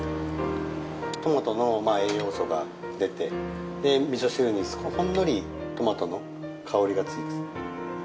トマトの栄養素が出て味噌汁にほんのりトマトの香りが付きます。